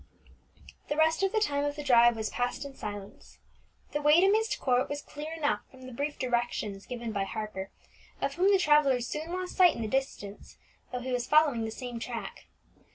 The rest of the time of the drive was passed in silence. The way to Myst Court was clear enough from the brief directions given by Harper, of whom the travellers soon lost sight in the darkness, though he was following in the same track.